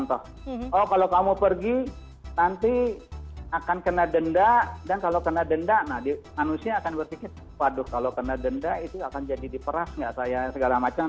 oh kalau kamu pergi nanti akan kena denda dan kalau kena denda manusia akan berpikir waduh kalau kena denda itu akan jadi diperas nggak saya segala macam